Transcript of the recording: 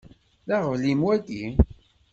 D aɣbel-im wagi?